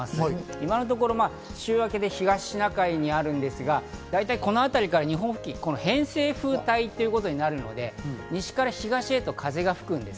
今のところ週明けで東シナ海にあるんですが、大体このあたりから偏西風帯になるので、西から東へ風が吹くんです。